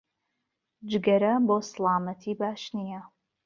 جگەرە بۆ سڵامەتی باش نییە